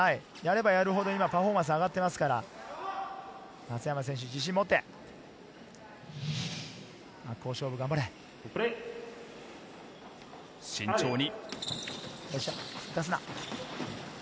やればやるほどパフォーマンス、上がっていますから、松山選手、自信をもって真っ向勝負、慎重に。